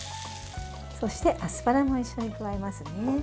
そして、アスパラも一緒に加えますね。